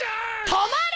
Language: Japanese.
止まれ！